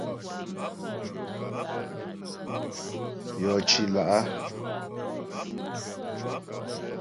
Yɔ cì lá'.